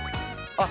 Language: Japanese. あっ！